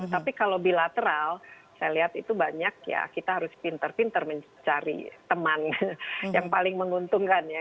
tapi kalau bilateral saya lihat itu banyak ya kita harus pinter pinter mencari teman yang paling menguntungkan ya